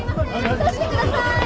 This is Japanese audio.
通してください！